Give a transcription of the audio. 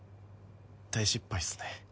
大失敗っすね